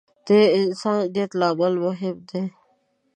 د انسان نیت له عمل مهم دی.